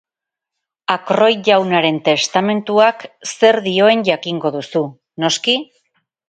Ackroyd jaunaren testamentuak zer dioen jakingo duzu, noski?